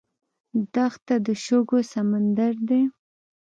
دښته د شګو سمندر دی.